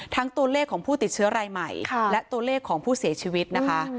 ตัวเลขของผู้ติดเชื้อรายใหม่และตัวเลขของผู้เสียชีวิตนะคะ